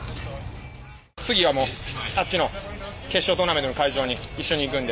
次はもうあっちの決勝トーナメントの会場に一緒に行くので。